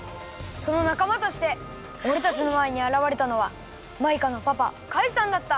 そのなかまとしておれたちのまえにあらわれたのはマイカのパパカイさんだった！